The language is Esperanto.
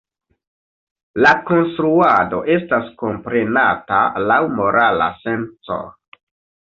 La konstruado estas komprenata laŭ morala senco.